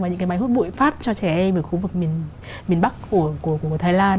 và những cái máy hút bụi phát cho trẻ em ở khu vực miền bắc thái lan